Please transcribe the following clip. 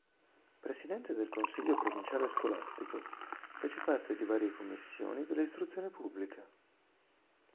Presidente del Consiglio Provinciale Scolastico, fece parte di varie commissioni dell'Istruzione Pubblica.